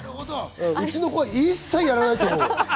うちの子は一切やらないと思う。